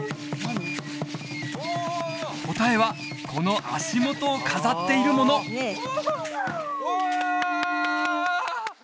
答えはこの足元を飾っているものわあ！